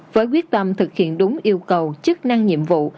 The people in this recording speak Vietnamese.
với quyết tâm thực hiện đúng yêu cầu chức năng nhiệm vụ